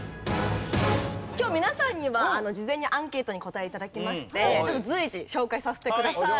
今日皆さんには事前にアンケートにお答え頂きましてちょっと随時紹介させてください。